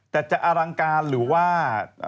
แต่จะอลังการหรือว่า